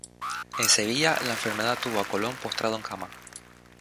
En Sevilla, la enfermedad tuvo a Colón postrado en cama.